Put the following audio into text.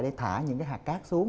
để thả những cái hạt cát xuống